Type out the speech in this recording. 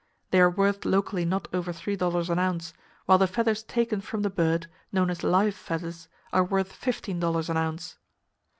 They are worth locally not over three dollars an ounce; while the feathers taken from the bird, known as "live feathers," are worth fifteen dollars an ounce.